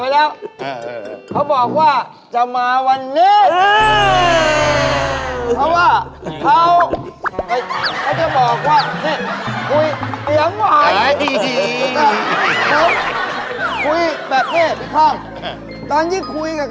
เงินบอกไว้จันลายหนักหนานี่เบาต์